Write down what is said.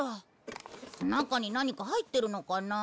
中に何か入ってるのかな？